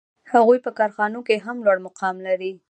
هغوی په کارخانو کې هم لوړ مقام لري